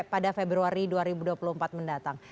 pada februari dua ribu dua puluh empat mendatang